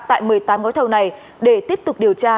tại một mươi tám gói thầu này để tiếp tục điều tra